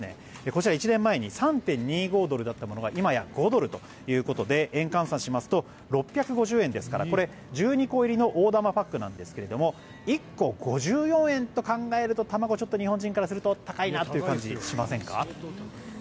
こちら、１年前に３．２５ドルだったものが今や５ドルということで円換算しますと６５０円ですから、１２個入りの大玉パックなんですが１個５４円と考えると卵、ちょっと日本人からすると高いなという感じがしませんか？